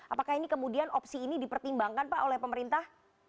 apakah ini kemudian opsi ini dipertimbangkan pak oleh pemerintah